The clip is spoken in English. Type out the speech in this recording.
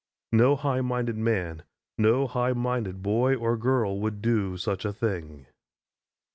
No high minded man, no high minded boy or girl, would do such a thing.